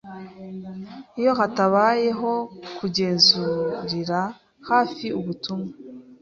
Iyo hatabayeho kugenzurira hafi ubutumwa